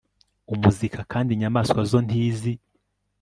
umuzika kandi inyamaswa zo ntizi